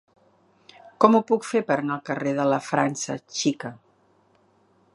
Com ho puc fer per anar al carrer de la França Xica?